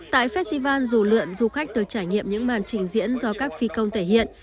tại festival dù lượn du khách được trải nghiệm những màn trình diễn do các phi công thể hiện